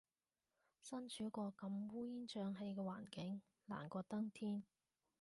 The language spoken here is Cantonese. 身處個咁烏煙瘴氣嘅環境，難過登天